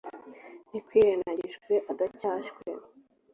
ntikwirenagijwe adacyashywe